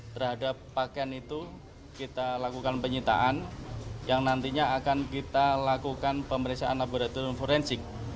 terhadap pakaian itu kita lakukan penyitaan yang nantinya akan kita lakukan pemeriksaan laboratorium forensik